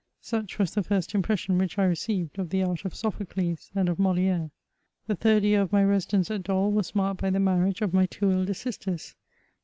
Such was the first impression which I received of the art of Sophocles and of Motive. The third year of my residence at Dol was marked by the marriage of my two elder sisters.